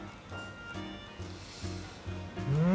うん！